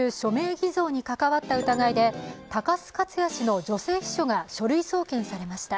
偽造に関わった疑いで高須克弥氏の女性秘書が書類送検されました。